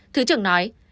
thứ trưởng nói